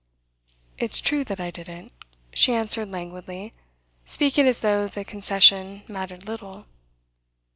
'It's true that I didn't,' she answered languidly; speaking as though the concession mattered little.